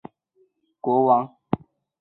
陈上川便立乔华三世为柬埔寨国王。